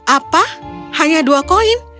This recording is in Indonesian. apa hanya dua koin